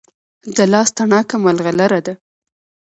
د لاس تڼاکه ملغلره ده.